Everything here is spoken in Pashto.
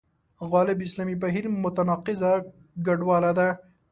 غالب اسلامي بهیر متناقضه ګډوله ده.